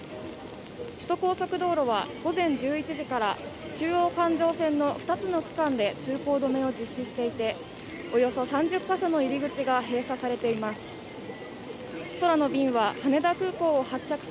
首都高速道路は午前１１時から中央環状線の２つの区間で通行止めを実施していて、およそ３０か所の入り口が閉鎖されています。